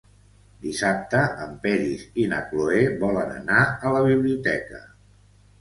Dissabte en Peris i na Cloè volen anar a la biblioteca.